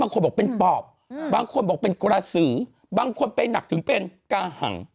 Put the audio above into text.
บางคนบอกเป็นปอบบางคนบอกเป็นกระสือบางคนไปหนักถึงเป็นกาหัง